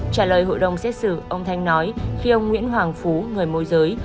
trả lời hội đồng xét xử ông thanh nói khi ông nguyễn hoàng phú người môi giới